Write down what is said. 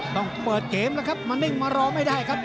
ต้องเปิดเกมแล้วครับมานิ่งมารอไม่ได้ครับ